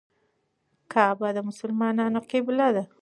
کعبه د مسلمانانو قبله ده.